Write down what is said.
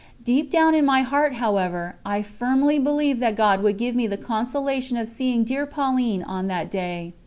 Deep down in my heart, however, I firmly believed that God would give me the consolation of seeing dear Pauline on that day.